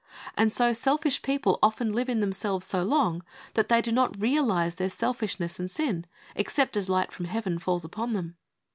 And so selfish people often live in them selves so long that they do not realise their selfishness and sin, except as light from Heaven falls upon them.